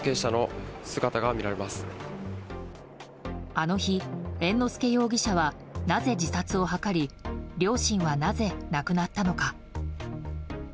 あの日、猿之助容疑者はなぜ自殺を図り両親は、なぜ亡くなったのか。